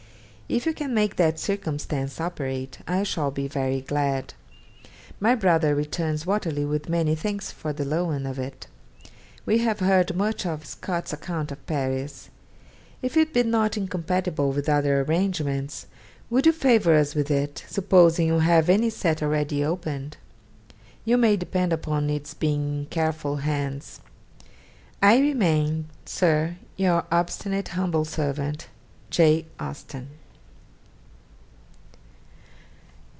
If you can make that circumstance operate, I shall be very glad. My brother returns "Waterloo" with many thanks for the loan of it. We have heard much of Scott's account of Paris. If it be not incompatible with other arrangements, would you favour us with it, supposing you have any set already opened? You may depend upon its being in careful hands. 'I remain, Sir, your obt. humble Set. 'J. AUSTEN.'